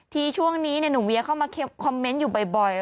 ช่วงนี้หนุ่มเวียเข้ามาคอมเมนต์อยู่บ่อย